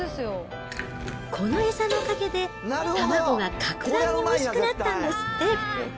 この餌のおかげで、卵が格段においしくなったんですって。